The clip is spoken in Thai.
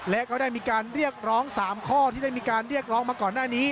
และก็ได้มีการเรียกร้อง๓ข้อที่ได้มีการเรียกร้องมาก่อนหน้านี้